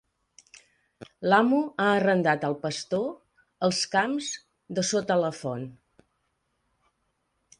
L'amo ha arrendat al pastor els camps de sota la font.